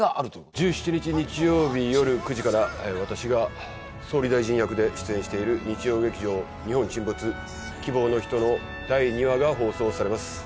１７日日曜日よる９時から私が総理大臣役で出演している日曜劇場「日本沈没−希望のひと−」の第２話が放送されます